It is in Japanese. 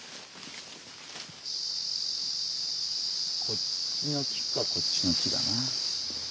こっちの木かこっちの木だな。